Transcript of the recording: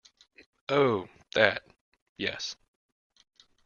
Oh, that, yes.